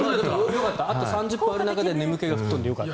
よかった、あと３０分ある中で眠気が吹っ飛んでよかった。